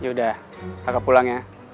ya udah kakak pulang ya